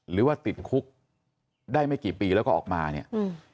หรือว่าติดคุกได้ไม่กี่ปีแล้วก็ออกมาเนี่ยอืม